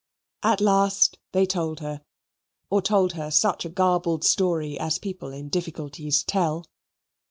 At last they told her, or told her such a garbled story as people in difficulties tell.